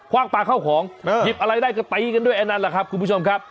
ว่างปลาเข้าของหยิบอะไรได้ก็ตีกันด้วยอันนั้นแหละครับคุณผู้ชมครับ